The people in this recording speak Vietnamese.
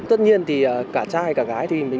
anh có ý với em ý